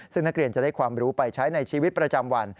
ซึ่งนักเรียนจะได้ความรู้ไปใช้ในชีวิตประจำวัน